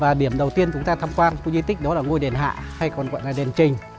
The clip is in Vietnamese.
và điểm đầu tiên chúng ta tham quan khu di tích đó là ngôi đền hạ hay còn gọi là đền trình